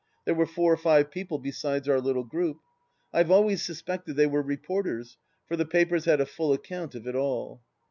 There were four or five people besides our little group. I have always suspected they were reporters, for the papers had a full account of it all.